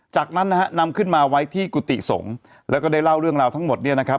จากนั้นนะฮะนำขึ้นมาไว้ที่กุฏิสงฆ์แล้วก็ได้เล่าเรื่องราวทั้งหมดเนี่ยนะครับ